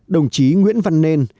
đồng chí nguyễn văn nên